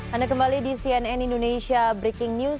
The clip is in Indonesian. anda kembali di cnn indonesia breaking news